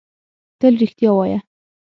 تل رښتیا وایۀ!